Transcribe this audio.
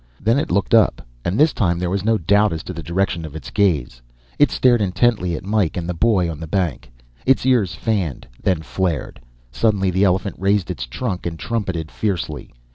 Then it looked up and this time there was no doubt as to the direction of its gaze it stared intently at Mike and the boy on the bank. Its ears fanned, then flared. Suddenly the elephant raised its trunk and trumpeted fiercely.